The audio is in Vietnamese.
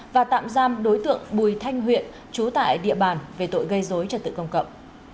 và tạm giam đối tượng bùi thanh huyện trú tại địa bàn về tội gây dối trật tự công cộng